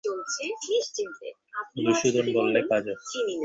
মধুসূদন বললে, কাজ আছে।